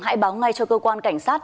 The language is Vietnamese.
hãy báo ngay cho cơ quan cảnh sát